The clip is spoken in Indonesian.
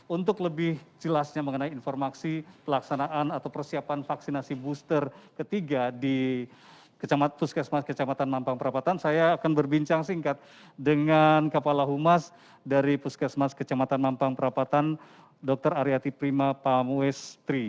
untuk lebih jelasnya mengenai informasi pelaksanaan atau persiapan vaksinasi booster ketiga di kecamatan puskesmas kecamatan mampang perapatan saya akan berbincang singkat dengan kepala humas dari puskesmas kecamatan mampang perapatan dr aryati prima pamuestri